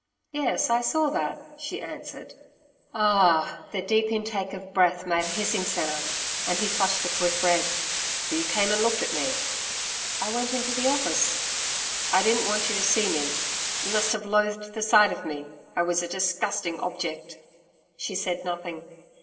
'Yes, I saw that,' she answered. 'A ah!' The deep intake of breath made a hissing sound, and he flushed a brick red. 'You came and looked at me?' 'I went into the Office.' 'I didn't want you to see me. You must have loathed the sight of me. I was a disgusting object.' She said nothing.